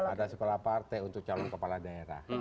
ada sekolah partai untuk calon kepala daerah